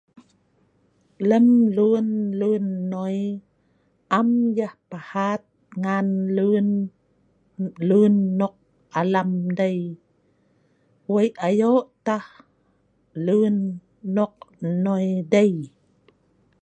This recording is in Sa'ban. lem mlun lun nnoi, am yah pahat ngan lun lun nok alam dei wei' ayo' tah lun nok nnoi dei